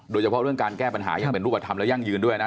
โดยเฉพาะเรื่องการแก้ปัญหายังเป็นรูปธรรมและยั่งยืนด้วยนะ